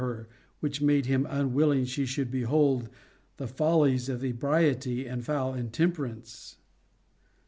her which made him unwilling: she should behold the fol lies of ebriety and foul intemperance.